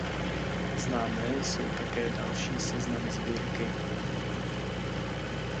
Známé jsou také další seznamy sbírky.